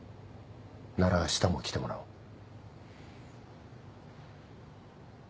ならあしたも来てもらおう。